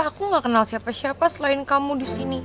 aku gak kenal siapa siapa selain kamu di sini